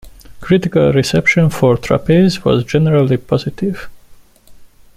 Critical reception for "Trapeze" was generally positive.